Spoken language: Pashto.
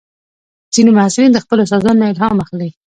ځینې محصلین د خپلو استادانو نه الهام اخلي.